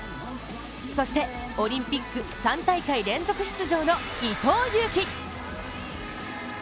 そしてオリンピック３大会連続出場の伊藤有希。